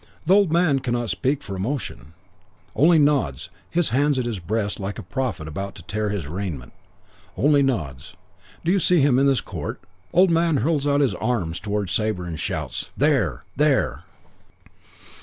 Old man cannot speak for emotion. Only nods, hands at his breast like a prophet about to tear his raiment. Only nods. "'Do you see him in this court?' "Old man hurls out his arms towards Sabre. Shouts, 'There! There!'